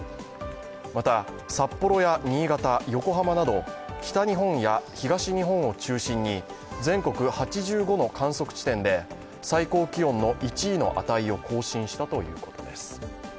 また、札幌や新潟、横浜など北日本や東日本を中心に全国８５の観測地点で最高気温の１位の値を更新したということです。